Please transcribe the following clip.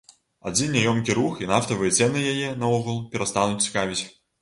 Адзін няёмкі рух і нафтавыя цэны яе, наогул, перастануць цікавіць.